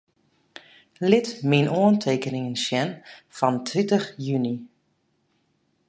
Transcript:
Lit myn oantekeningen sjen fan tritich juny.